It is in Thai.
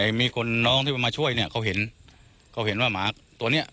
มีคนน้องที่มาช่วยเนี้ยเขาเห็นเขาเห็นว่าหมาตัวเนี้ย